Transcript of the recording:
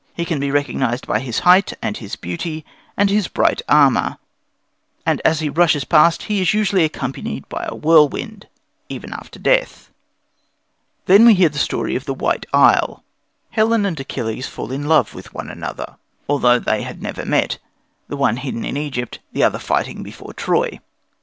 He can be recognized by his height and his beauty and his bright armour; and as he rushes past he is usually accompanied by a whirlwind [Greek: podarkês, dios], even after death. Then we hear the story of the White Isle. Helen and Achilles fell in love with one another, though they had never met the one hidden in Egypt, the other fighting before Troy.